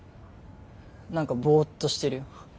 何かぼっとしてるよ。